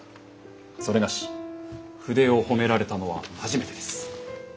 それがし筆を褒められたのは初めてです。